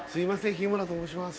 日村と申します